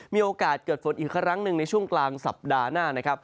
มีโอกาสเกิดฝนอีกครั้งหนึ่งในช่วงกลางสัปดาห์หน้านะครับ